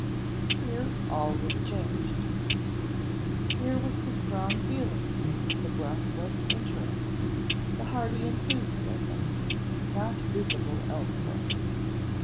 Here, all was changed. Here was the strong feeling, the breathless interest, the hearty enthusiasm, not visible elsewhere.